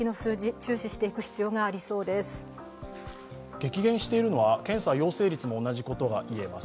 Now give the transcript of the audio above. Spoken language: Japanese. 激減しているのは検査陽性率も同じ事が言えます。